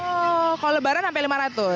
oh kalau lebaran sampai lima ratus